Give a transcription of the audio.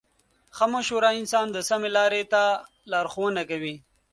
ښه مشوره انسان د سمې لارې ته لارښوونه کوي.